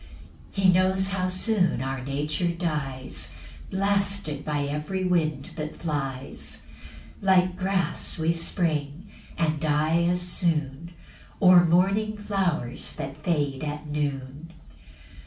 8 He knows how soon our nature dies, Blasted by every wind that flies; Like grass we spring, and die as soon, Or morning flowers that fade at noon.